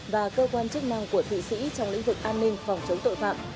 và cơ quan chức năng của thụy sĩ trong lĩnh vực an ninh phòng chống tội phạm